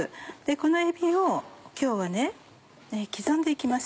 このえびを今日は刻んで行きます。